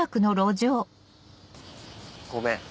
ごめん。